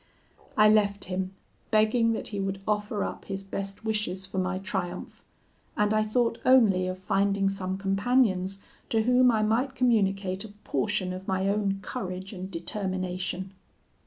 I left him, begging that he would offer up his best wishes for my triumph; and I thought only of finding some companions, to whom I might communicate a portion of my own courage and determination.